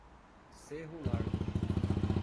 Cerro Largo